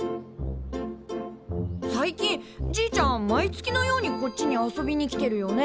最近じいちゃん毎月のようにこっちに遊びに来てるよね？